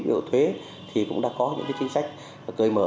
điều thuê thì cũng đã có những chính sách cởi mở